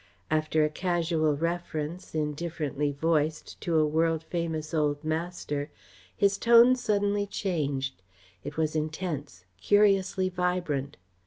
After a casual reference, indifferently voiced, to a world famous old master his tone suddenly changed. It was intense, curiously vibrant.